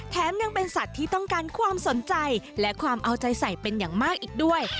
ยังเป็นสัตว์ที่ต้องการความสนใจและความเอาใจใส่เป็นอย่างมากอีกด้วย